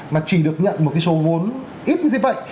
mà chỉ được nhận một cái số vốn ít như thế vậy